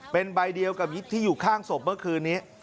เป็นใบเดียวกับที่อยู่ข้างศพเมื่อคืนนี้